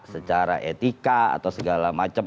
secara etika atau segala macam